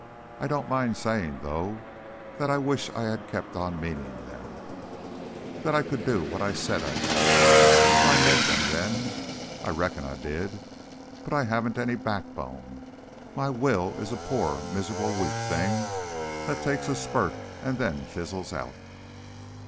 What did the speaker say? I don't mind saying, though, that I wish I had kept on meaning them, that I could do what I said I'd do, for I meant them then I reckon I did! But I haven't any backbone, my will is a poor miserable weak thing that takes a spurt and then fizzles out.